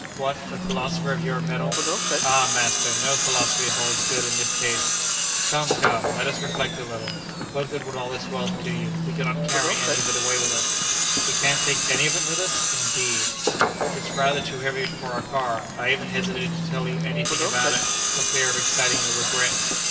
"What! a philosopher of your mettle—" "Ah, master, no philosophy holds good in this case!" "Come! come! Let us reflect a little. What good would all this wealth do you? We cannot carry any of it away with us." "We can't take any of it with us, indeed?" "It's rather too heavy for our car! I even hesitated to tell you any thing about it, for fear of exciting your regret!"